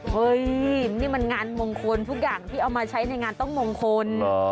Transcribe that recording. เฮ้ยนี่มันงานมงคลทุกอย่างที่เอามาใช้ในงานต้องมงคล